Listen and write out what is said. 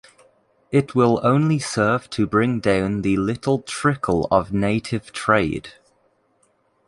It will only serve to bring down the little trickle of native trade.